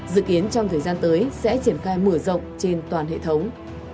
dự kiến trong thời gian tới sẽ triển khai mở rộng trên toàn hệ thống